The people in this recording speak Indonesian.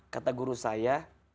kata guru saya